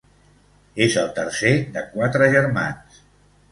És el tercer de quatre germans.